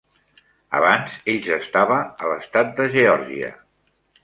Abans, ell s'estava a l'estat de Geòrgia.